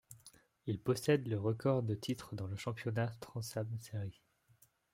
Il possède le record de titres dans le championnat Trans-Am Series.